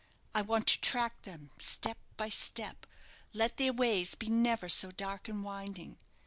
I want to track them step by step, let their ways be never so dark and winding.